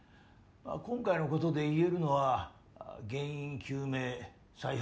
まあ今回のことで言えるのは原因究明再発防止。